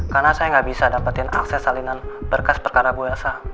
karena saya gak bisa dapetin akses salinan berkas perkara buasa